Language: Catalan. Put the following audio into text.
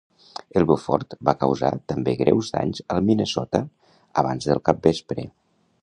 El "Beaufort" va causar també greus danys al "Minnesota" abans del capvespre.